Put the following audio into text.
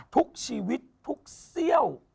ทุกชีวิตทุกเซี่ยว